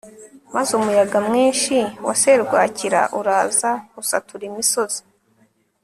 maze umuyaga mwinshi wa serwakira uraza usatura imisozi